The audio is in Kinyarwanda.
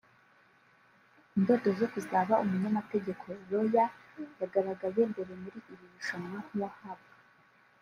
indoto zo kuzaba umunyamategeko (lawyer) yagaragaye mbere muri iri rushanwa nk’uwahabwa